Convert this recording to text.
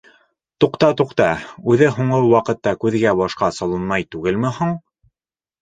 Туҡта-туҡта, үҙе һуңғы ваҡытта күҙгә-башҡа салынмай түгелме һуң?